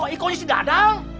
ikonya si dadang